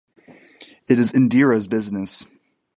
It is Indira's business.